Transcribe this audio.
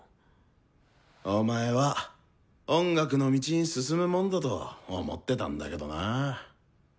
お前は音楽の道に進むもんだと思ってたんだけどなぁ。